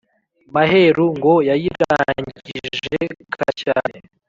Maheru ngo yayirangije kare cyane